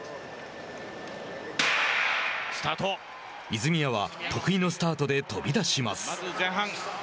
泉谷は得意のスタートで飛び出します。